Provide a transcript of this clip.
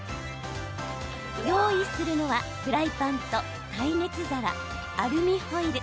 用意するのはフライパンと耐熱皿アルミホイル。